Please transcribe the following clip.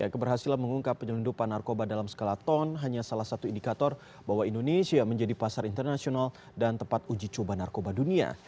keberhasilan mengungkap penyelundupan narkoba dalam skala ton hanya salah satu indikator bahwa indonesia menjadi pasar internasional dan tempat uji coba narkoba dunia